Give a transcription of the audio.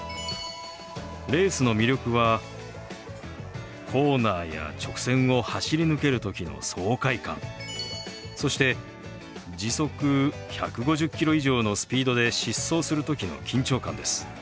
レースの魅力はコーナーや直線を走り抜ける時の爽快感そして時速１５０キロ以上のスピードで疾走する時の緊張感です。